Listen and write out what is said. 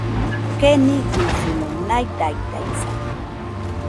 Keniguisɨmo naidaidaisa